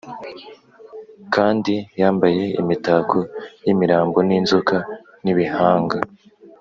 kandi yambaye imitako y’imirambo ninzoka n’ibihanga.